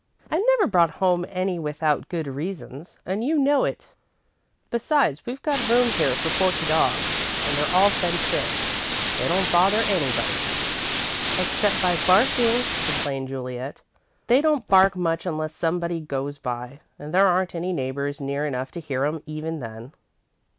"I've never brought home any without good reasons, and you know it. Besides, we've got room here for forty dogs, and they're all fenced in. They don't bother anybody." "Except by barking," complained Juliet. "They don't bark much unless somebody goes by, and there aren't any neighbours near enough to hear 'em, even then."